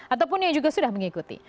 ataupun yang juga sudah mengikuti